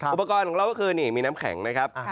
อุปกรณ์ของเราก็คือนี่มีน้ำแข็งนะครับ